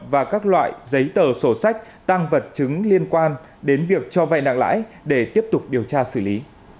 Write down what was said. và các loại giấy tờ sổ sách tăng vật chứng liên quan đến việc cho vay nặng lãi để tiếp tục điều tra xử lý